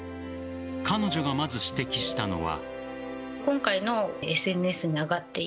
彼女がまず指摘したのは。